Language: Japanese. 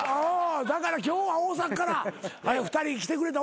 だから今日は大阪から２人来てくれた。